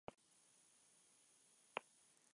Consta de seis grupos.